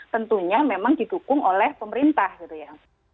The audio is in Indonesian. tentunya memang didukung oleh pemerintah gitu ya